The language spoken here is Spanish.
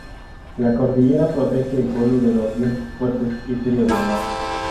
La cordillera protege el pueblo de los vientos fuertes y fríos del norte.